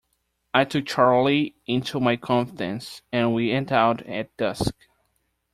I took Charley into my confidence, and we went out at dusk.